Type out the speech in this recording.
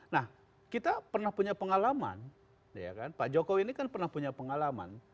nah kita pernah punya pengalaman pak jokowi ini kan pernah punya pengalaman